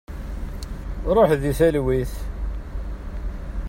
Ṛuḥ di talwit!